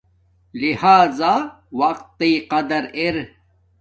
لہزا وقت تݵ قرد ار